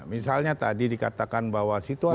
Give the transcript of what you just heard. misalnya tadi dikatakan bahwa situasi